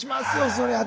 そりゃあ。